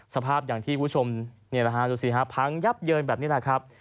สภาพอย่างที่คุณผู้ชมนี่แหละฮะดูสิฮะพังยับเยินแบบนี้แหละครับ